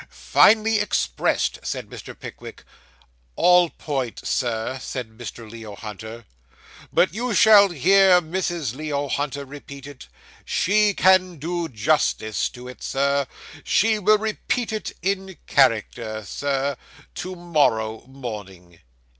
'Finely expressed,' said Mr. Pickwick. 'All point, Sir,' said Mr. Leo Hunter; 'but you shall hear Mrs. Leo Hunter repeat it. She can do justice to it, Sir. She will repeat it, in character, Sir, to morrow morning.